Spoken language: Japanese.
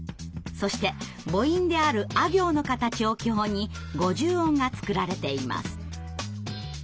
そして母音である「あ行」の形を基本に５０音が作られています。